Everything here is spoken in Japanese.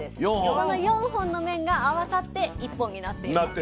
この４本の麺が合わさって１本になっています。